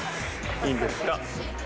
いいんですか。